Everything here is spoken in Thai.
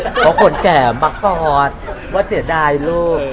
เพราะคนแก่มากอดว่าเสียดายลูก